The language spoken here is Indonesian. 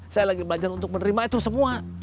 saya lagi belajar untuk menerima itu semua